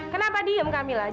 kenapa diem kamilah